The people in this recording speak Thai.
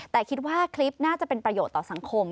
แต่คิดว่าคลิปน่าจะเป็นประโยชน์ต่อสังคม